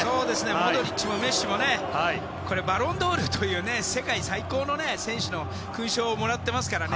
モドリッチもメッシもバロンドールという世界最高の選手の勲章をもらってますからね。